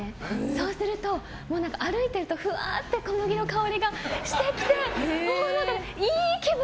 そうすると歩いているとふわって小麦の香りがしてきていい気分